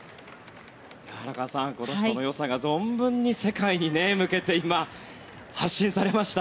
荒川さん、この人のよさが存分に世界向けて今、発信されました。